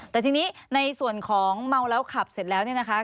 แต่ทีนี้ในส่วนของเมาแล้วขับเสร็จแล้วเนี่ยนะคะ